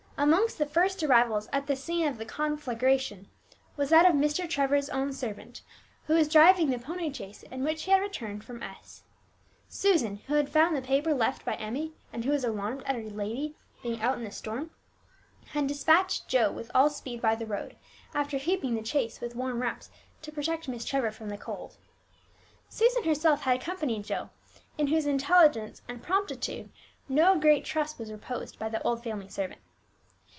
Amongst the first arrivals at the scene of the conflagration was that of Mr. Trevor's own servant, who was driving the pony chaise in which he had returned from S . Susan, who had found the paper left by Emmie, and who was alarmed at her young lady being out in the storm, had despatched Joe with all speed by the road, after heaping the chaise with warm wraps to protect Miss Trevor from the cold. Susan herself had accompanied Joe, in whose intelligence and promptitude no great trust was reposed by the old family servant.